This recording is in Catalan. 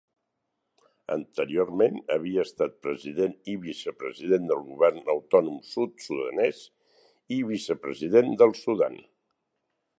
Anteriorment havia estat president i vicepresident del govern autònom sud-sudanès i vicepresident del Sudan.